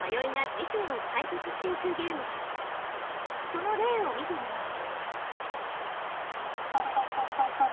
その例を見てみよう。